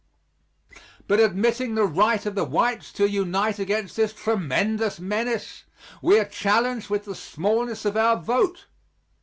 But admitting the right of the whites to unite against this tremendous menace, we are challenged with the smallness of our vote.